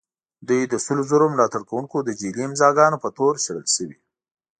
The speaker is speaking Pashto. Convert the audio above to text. دوی د سلو زرو ملاتړ کوونکو د جعلي امضاء ګانو په تور شړل شوي.